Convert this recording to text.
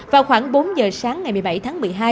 vào khoảng bốn giờ sáng ngày một mươi bảy tháng một mươi hai